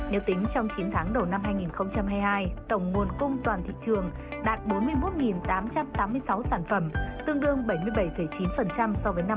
nếu tính trong chín tháng đầu năm hai nghìn hai mươi hai tổng nguồn cung toàn thị trường đạt bốn mươi một tám trăm tám mươi sáu sản phẩm tương đương bảy mươi bảy chín so với năm hai nghìn hai mươi